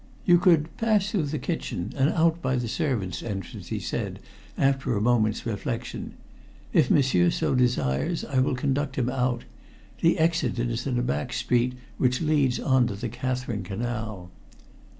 "You could pass through the kitchen and out by the servants' entrance," he said, after a moment's reflection. "If m'sieur so desires, I will conduct him out. The exit is in a back street which leads on to the Catherine Canal."